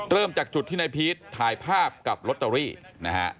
จากจุดที่นายพีชถ่ายภาพกับลอตเตอรี่นะฮะ